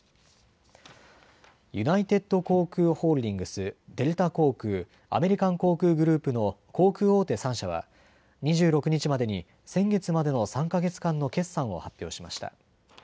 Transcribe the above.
ユナイテッド航空ホールディングス、デルタ航空、アメリカン航空グループの航空大手３社は２６日までに先月までの３か月間の決算を発表しました。